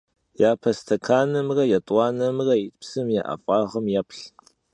Yape stekanımre yêt'uanemre yit psım ya 'ef'ağım yêplh.